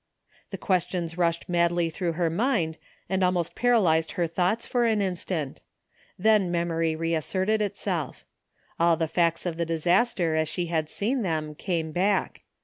The questions rushed madly through her mind and almost paralyzed her thoughts for an instant. Then memory reasserted itself. All the facts of the disaster as she had seen them, came back.